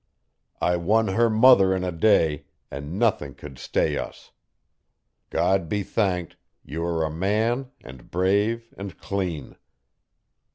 I won her mother in a day, and nothing could stay us. God be thanked, you are a man and brave and clean.